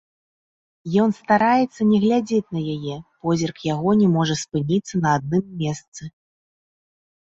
Ён стараецца не глядзець на яе, позірк яго не можа спыніцца на адным месцы.